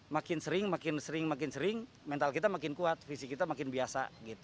makin sering makin sering makin sering mental kita makin kuat fisik kita makin biasa